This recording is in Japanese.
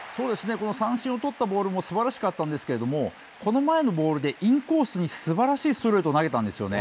この三振を取ったボールもすばらしかったんですけども、この前のボールでインコースにすばらしいストレートを投げたんですね。